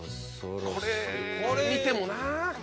これ見てもなぁ。